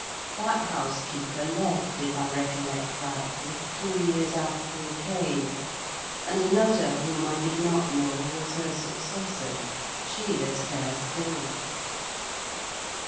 That housekeeper left, if I recollect rightly, two years after he came; and another, whom I did not know, was her successor; she lives there still.